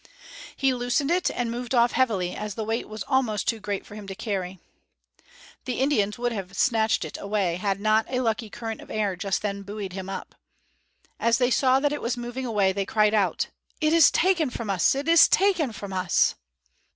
He loosened it, and moved off heavily, as the weight was almost too great for him to carry. The Indians around would have snatched it away had not a lucky current of air just then buoyed him up. As they saw that it was moving away they cried out: "It is taken from us! it is taken from us!"